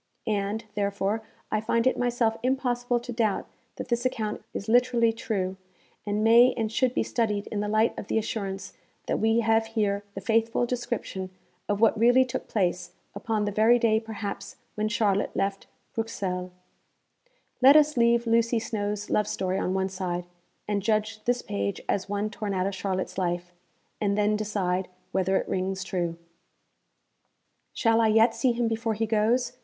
And, therefore, I find it myself impossible to doubt that this account is literally true, and may and should be studied in the light of the assurance that we have here the faithful description of what really took place, upon the very day, perhaps, when Charlotte left Bruxelles. Let us leave Lucy Snowe's love story on one side, and judge this page as one torn out of Charlotte's life and then decide whether it rings true. Shall I yet see him before he goes?